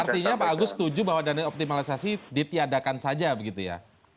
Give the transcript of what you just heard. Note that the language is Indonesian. artinya pak agus setuju bahwa dana optimalisasi ditiadakan saja begitu ya